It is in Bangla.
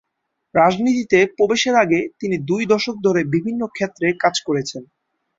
রাজনীতিতে প্রবেশের আগে, তিনি দুই দশক ধরে বিভিন্ন ক্ষেত্রে কাজ করেছেন।